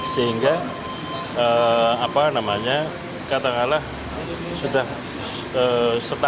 sehingga apa namanya katangalah sudah setatunya